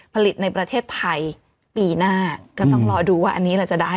ผลิตในประเทศไทยปีหน้าก็ต้องรอดูว่าอันนี้เราจะได้